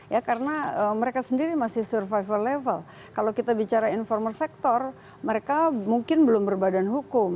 ya karena mereka sendiri masih survival level kalau kita bicara informal sector mereka mungkin belum berbadan hukum